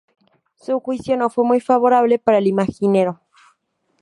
Su juicio no fue muy favorable para el imaginero.